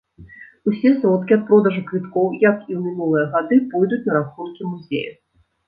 Усе сродкі ад продажу квіткоў, як і ў мінулыя гады, пойдуць на рахункі музея.